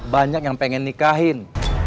banyak yang pengen nikahin